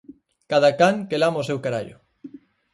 Cada can que lama o seu carallo